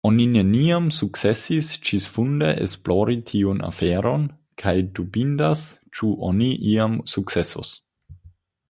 Oni neniam sukcesis ĝisfunde esplori tiun aferon, kaj dubindas ĉu oni iam sukcesos.